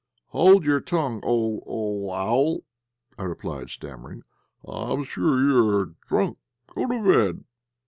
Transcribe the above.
"Hold your tongue, old owl," I replied, stammering; "I am sure you are drunk. Go to bed